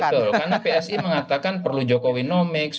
karena psi mengatakan perlu jokowinomics